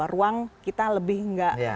ruang kita lebih nggak